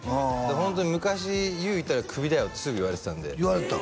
ホント昔ＹＯＵいたらクビだよってすぐ言われてたんで言われてたん？